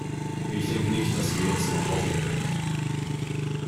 Ich denke nicht, dass wir jetzt noch hoffen können.